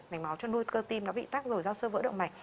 mạch máu cho nuôi cơ tim nó bị tắc rồi do sơ vỡ động mạch